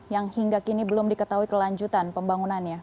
yang hingga kini belum diketahui kelanjutan pembangunannya